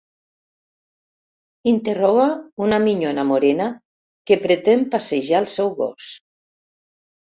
Interroga una minyona morena que pretén passejar el seu gos.